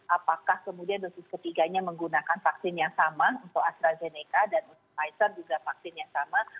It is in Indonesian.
apakah kemudian dosis ketiganya menggunakan vaksin yang sama untuk astrazeneca dan pfizer juga vaksin yang sama